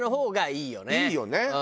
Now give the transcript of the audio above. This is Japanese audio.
いいよね。